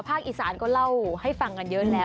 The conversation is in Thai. อีสานก็เล่าให้ฟังกันเยอะแล้ว